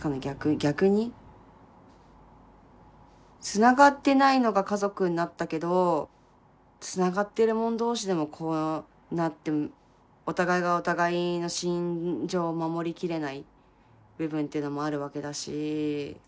つながってないのが家族になったけどつながってる者同士でもこうなってお互いがお互いの心情を守りきれない部分っていうのもあるわけだし。